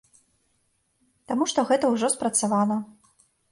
Таму што гэта ўжо спрацавала.